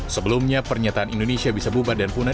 sebelumnya pernyataan indonesia bisa bubar dan punah